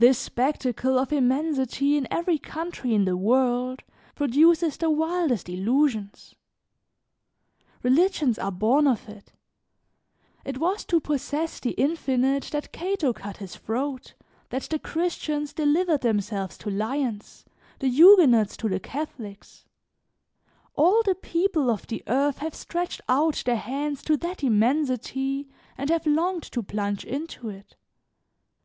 This spectacle of immensity in every country in the world, produces the wildest illusions. Religions are born of it; it was to possess the infinite that Cato cut his throat, that the Christians delivered themselves to lions, the Huguenots to the Catholics; all the people of the earth have stretched out their hands to that immensity and have longed to plunge into it.